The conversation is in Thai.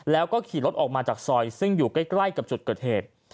แล้วก็ขี่รถออกมาจากซอยซึ่งอยู่ใกล้กับจุดเกิดเหตุ